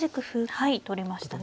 はい取りましたね。